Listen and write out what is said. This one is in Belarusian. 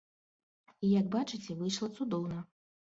І як бачыце, выйшла цудоўна.